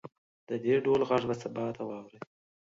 د دې ډول غږ به سبا ته واورئ